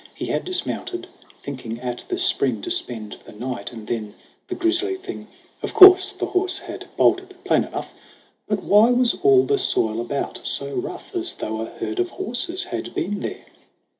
He had dismounted, thinking at the spring To spend the night and then the grisly thing Of course the horse had bolted ; plain enough ! But why was all the soil about so rough As though a herd of horses had been there